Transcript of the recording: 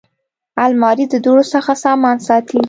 الماري د دوړو څخه سامان ساتي